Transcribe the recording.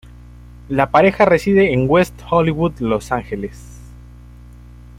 La pareja reside en West Hollywood, Los Ángeles.